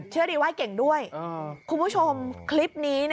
เชื่อดีว่าเก่งด้วยคุณผู้ชมคลิปนี้